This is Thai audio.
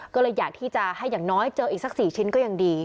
ก็เลยอยากที่จะให้อย่างน้อยเจออีกสัก๔ชิ้นก็ยังดี